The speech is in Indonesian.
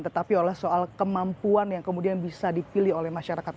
tetapi oleh soal kemampuan yang kemudian bisa dipilih oleh masyarakat